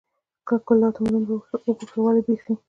ګلداد همدومره وپوښتل: ولې بېخي.